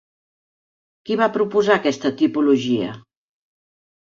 Qui va proposar aquesta tipologia?